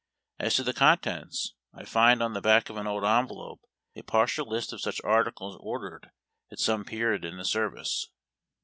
As to the contents, I find on the back of an old envelope a partial list of such articles ordered at some period in the service.